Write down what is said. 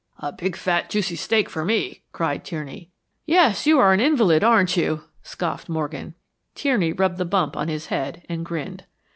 "A big, fat, juicy steak for mine!" cried. Tierney. "Yes, you're an invalid, aren't you!" scoffed Morgan. Tierney rubbed the bump on his head and grinned.